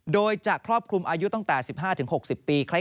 โดยจะครอบคลุมอายุตั้งแต่๑๕๖๐ปี